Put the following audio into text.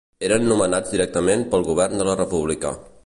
Eren nomenats directament pel govern de la República.